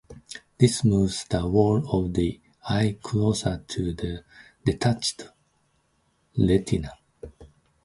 This moves the wall of the eye closer to the detached retina.